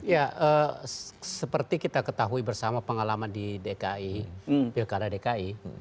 ya seperti kita ketahui bersama pengalaman di dki pilkada dki